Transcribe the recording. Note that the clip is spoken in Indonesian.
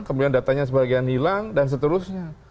kemudian datanya sebagian hilang dan seterusnya